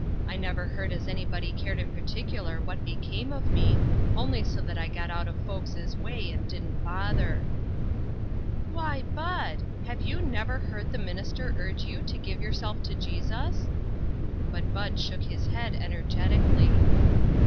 I never heard as any body cared in particular what became of me, only so that I got out of folks' way and didn't bother." " Why, Bud ! have you never heard the minister urge you to give yourself to Jesus ?" But Bud shook his head energetically.